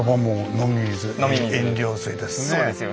飲料水ですね